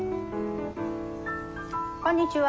こんにちは。